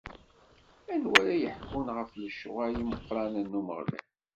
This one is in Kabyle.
Anwa ara yeḥkun ɣef lecɣwal imeqqranen n Umeɣlal?